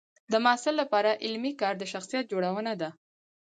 د محصل لپاره علمي کار د شخصیت جوړونه ده.